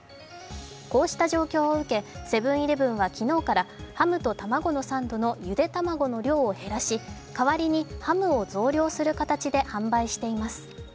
こうした状況を受けセブン−イレブンは昨日からハムとたまごのサンドのゆで卵の量を減らし代わりにハムを増量する形で販売しています。